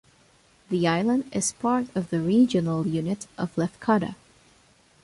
The island is part of the regional unit of Lefkada.